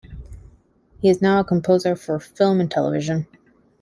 He is now a composer for film and television.